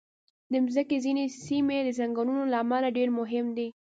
د مځکې ځینې سیمې د ځنګلونو له امله ډېر مهم دي.